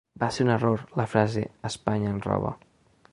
Va ser un error la frase ‘Espanya ens roba’.